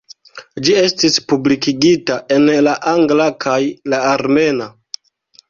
Ĝi estis publikigita en la angla kaj la armena.